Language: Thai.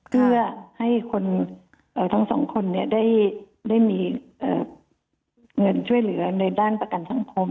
เพื่อให้คนเอ่อทั้งสองคนเนี่ยได้ได้มีเอ่อเงินช่วยเหลือในด้านประกันสังคม